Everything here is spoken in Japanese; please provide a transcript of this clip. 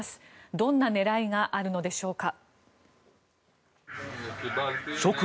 どんな狙いがあるのでしょうか。